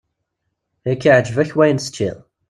Yak iɛǧeb-ak wayen teččiḍ!